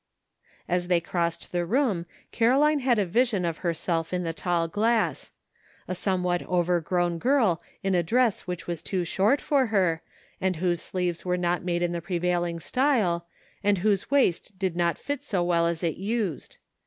As they crossed the room Caroline had a vision of herself in the tall glass. A somewhat overgrown girl in a dress which was too short for her, and whose sleeves were not made in the prevailing style, and whose waist did not fit so well as it used.